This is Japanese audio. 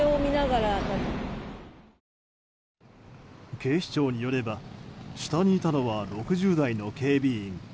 警視庁によれば下にいたのは６０代の警備員。